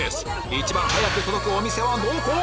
一番早く届くお店はどこ？